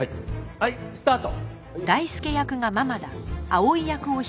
はいスタート。